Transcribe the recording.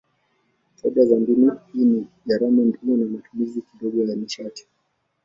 Faida za mbinu hii ni gharama ndogo na matumizi kidogo ya nishati.